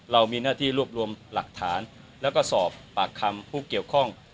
เรามีหน้าที่รวบรวมหลักฐานแล้วก็สอบปากคำผู้เกี่ยวข้อง